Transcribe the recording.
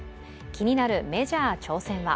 気になるメジャー挑戦は。